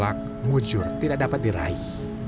lak mujur tidak dapat diraih